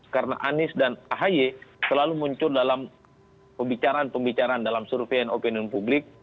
karena anies dan ahaye selalu muncul dalam pembicaraan pembicaraan dalam surveian opini publik